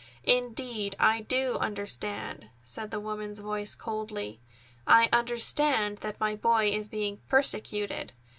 "Indeed, I do understand," said the woman's voice coldly. "I understand that my boy is being persecuted.